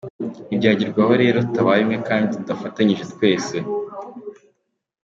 Ntibyagerwaho rero tutabaye umwe kandi tudafatanyije twese.